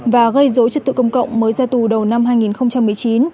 và gây dối trật tự công cộng mới ra tù đầu năm hai nghìn một mươi chín